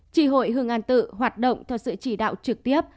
tri hội hương an tự hoạt động theo sự chỉ đạo trực tiếp